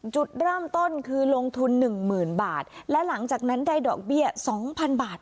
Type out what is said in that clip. จุดเริ่มต้นคือลงทุนหนึ่งหมื่นบาทและหลังจากนั้นได้ดอกเบี้ยสองพันบาท